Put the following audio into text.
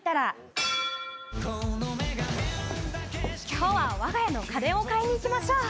今日はわが家の家電を買いに行きましょう。